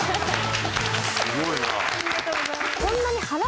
すごいな。